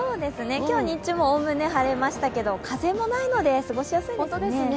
今日日中、概ね晴れましたけど風もないので、過ごしやすいですね